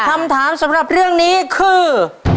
คำถามสำหรับเรื่องนี้คือ